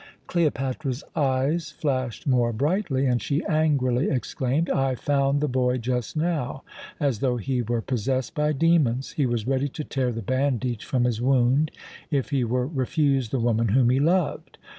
Cleopatra's eyes flashed more brightly, and she angrily exclaimed: "I found the boy just now as though he were possessed by demons. He was ready to tear the bandage from his wound, if he were refused the woman whom he loved.